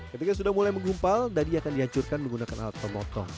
ketika sudah mulai menggumpal dadi akan dihancurkan menggunakan alat pemotong